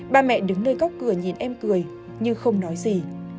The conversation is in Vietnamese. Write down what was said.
ba mẹ đứng nơi góc cửa nhìn em cười nhưng không nói gì